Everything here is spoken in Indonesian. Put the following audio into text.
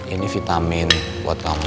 ini vitamin buat kamu